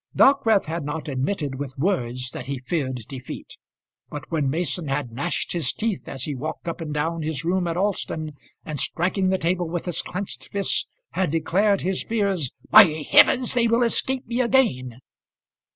Dockwrath had not admitted with words that he feared defeat, but when Mason had gnashed his teeth as he walked up and down his room at Alston, and striking the table with his clenched fist had declared his fears, "By heavens they will escape me again!"